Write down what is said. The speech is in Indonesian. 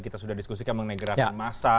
kita sudah diskusikan mengenai grafis masa